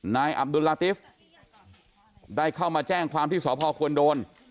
นายอับดุลลาติฟได้เข้ามาแจ้งความที่สพควรโดน